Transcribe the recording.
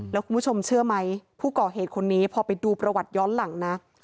แล้วคุณผู้ชมเชื่อไหมผู้ก่อเหตุคนนี้พอไปดูประวัติย้อนหลังนะ